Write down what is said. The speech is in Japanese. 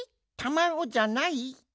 たまごじゃない？